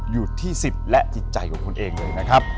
อยู่ที่๑๐และจิตใจของคุณเองเลยนะครับ